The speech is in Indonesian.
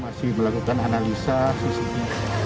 masih dilakukan analisa sisi ini